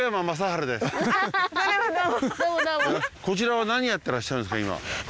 こちらは何やってらっしゃるんですか今。